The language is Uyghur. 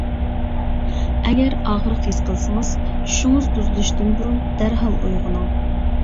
ئەگەر ئاغرىق ھېس قىلسىڭىز، چۈشىڭىز بۇزۇلۇشتىن بۇرۇن دەرھال ئويغىنىڭ.